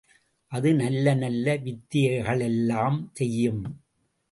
அது நல்ல நல்ல வித்தைகளெல்லாம் செய்யும்.